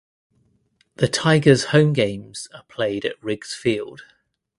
The Tigers home games are played at Riggs Field.